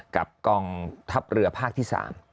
กับกองทัพเรือภาคที่๓